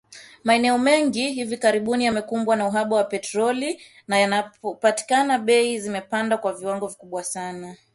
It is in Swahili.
Maeneo mengi hivi karibuni yamekumbwa na uhaba wa petroli na yanapopatikana, bei zimepanda kwa viwango vikubwa sana.